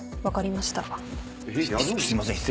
分かりました。